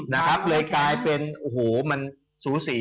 นะครับเลยกลายเป็นโอ้โหมันสูสี